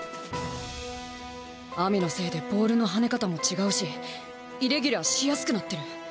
雨のせいでボールの跳ね方も違うしイレギュラーしやすくなってる。